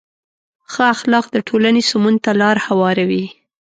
ښه اخلاق د ټولنې سمون ته لاره هواروي.